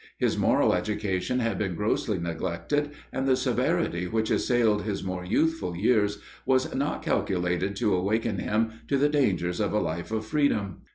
His moral education had been grossly neglected, and the severity which assailed his more youthful years, was not calculated to awaken him to the dangers of a life of freedom.